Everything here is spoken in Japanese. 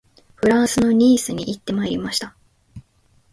フランスのニースに行ってまいりました